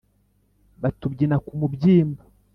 Batubyina ku mubyimba